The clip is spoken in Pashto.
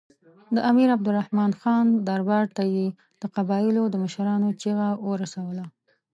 د امیر عبدالرحمن خان دربار ته یې د قبایلو د مشرانو چیغه ورسوله.